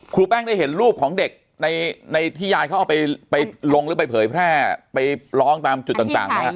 แป้งได้เห็นรูปของเด็กในที่ยายเขาเอาไปลงหรือไปเผยแพร่ไปร้องตามจุดต่างไหมฮะ